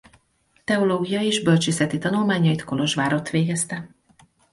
Teológiai és bölcsészeti tanulmányait Kolozsvárott végezte.